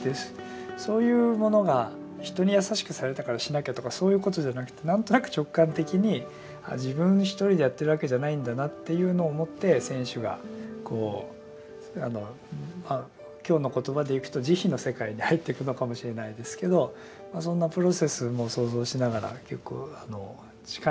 そういうものが人に優しくされたからしなきゃとかそういうことじゃなくてなんとなく直感的に自分一人でやってるわけじゃないんだなっていうのを思って選手がこう今日の言葉でいくと慈悲の世界に入っていくのかもしれないですけどそんなプロセスも想像しながら結構近いなと思って話を聞いてまして。